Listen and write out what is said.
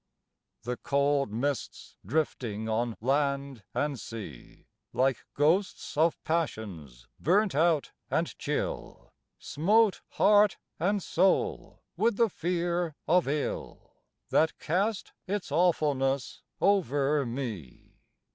The cold mists drifting on land and sea, Like ghosts of passions burnt out and chill, Smote heart and soul with the fear of ill, That cast its awfulness over me.